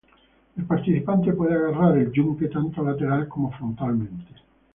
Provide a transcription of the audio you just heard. El participante puede agarrar el yunque tanto lateral como frontalmente.